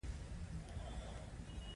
د زړه اصلي دنده څه ده